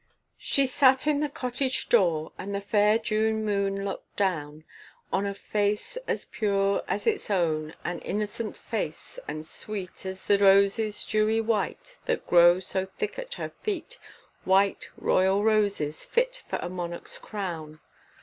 She sat in the cottage door, and the fair June moon looked down On a face as pure as its own, an innocent face and sweet As the roses dewy white that grow so thick at her feet, White royal roses, fit for a monarch's crown.